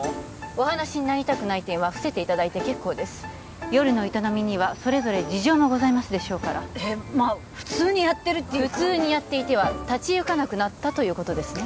お話しになりたくない点は伏せていただいて結構です夜の営みにはそれぞれ事情もございますでしょうからまあ普通にやってるって普通にやっていては立ちいかなくなったということですね